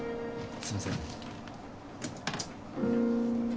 すいません。